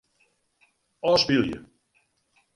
Ofspylje.